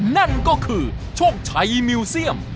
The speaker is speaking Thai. นั่นก็คือโชคชัยมิวเซียม